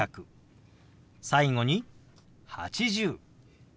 最後に「８０」。